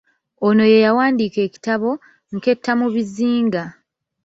Ono ye yawandiika ekitabo “ Nketta mu bizinga".